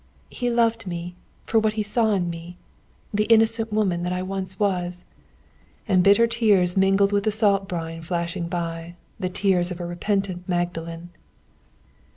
"He loved me, for what he saw in me the innocent woman that I once was." And bitter tears mingled with the salt brine flashing by the tears of a repentent magdalen.